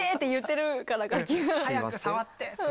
「早く触って」って。